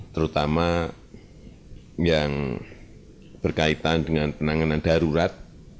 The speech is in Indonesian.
terutama yang berkaitan dengan penanganan darurat